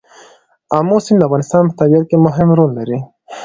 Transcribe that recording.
آمو سیند د افغانستان په طبیعت کې مهم رول لري.